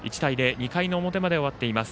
２回の表まで終わっています。